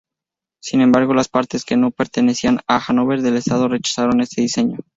Sin embargo, las partes que no pertenecían a Hannover del Estado rechazaron este diseño.